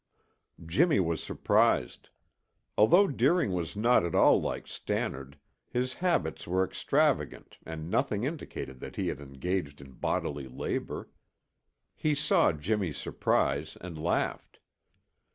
Jimmy was surprised. Although Deering was not at all like Stannard, his habits were extravagant and nothing indicated that he had engaged in bodily labor. He saw Jimmy's surprise and laughed.